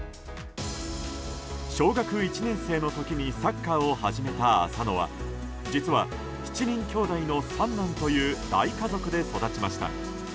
小学１年生の時にサッカーを始めた浅野は実は７人きょうだいの三男という大家族で育ちました。